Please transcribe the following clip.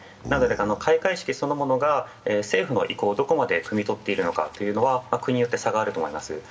なので開会式そのものが政府の意向をどこまでくみ取っているのかは国によって差があると思います。